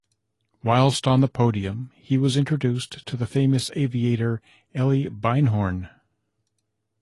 Whilst on the podium he was introduced to the famous aviator Elly Beinhorn.